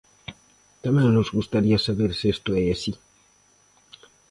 Tamén nos gustaría saber se isto é así.